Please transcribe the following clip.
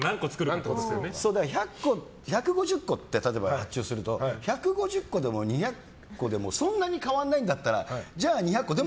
例えば１５０個って発注すると１５０個でも２００個でもそんなに変わらないんだったらじゃあ２００個って。